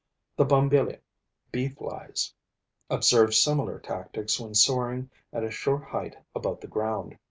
The Bombylii [bee flies] observe similar tactics when soaring at a short height above the ground.